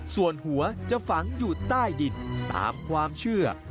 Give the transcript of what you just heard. ส่วนหัวจะฝังอยู่ใต้ดินตามความเชื่อ